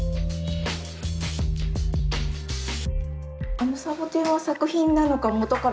あのサボテンは作品なのか元からあるのか。